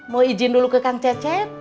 mau izin dulu ke kang cecep